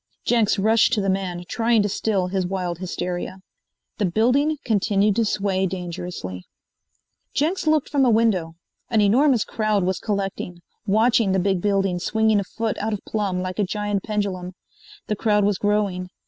Jenks rushed to the man, trying to still his wild hysteria. The building continued to sway dangerously. Jenks looked from a window. An enormous crowd was collecting, watching the big building swinging a foot out of plumb like a giant pendulum. The crowd was growing.